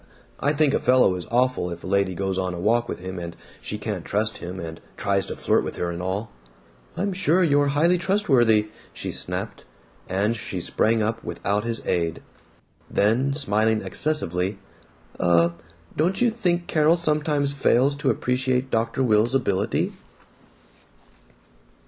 I think a fellow is awful if a lady goes on a walk with him and she can't trust him and he tries to flirt with her and all." "I'm sure you're highly trustworthy!" she snapped, and she sprang up without his aid. Then, smiling excessively, "Uh don't you think Carol sometimes fails to appreciate Dr. Will's ability?"